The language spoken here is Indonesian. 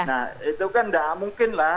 nah itu kan nggak mungkin lah